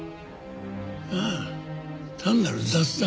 ああ単なる雑談。